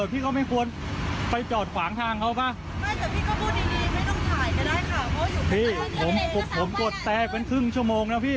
พี่ผมผมกดแตกเป็นครึ่งชั่วโมงนะพี่